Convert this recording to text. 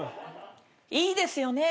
いいですよね。